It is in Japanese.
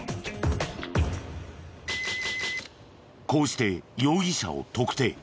こうして容疑者を特定。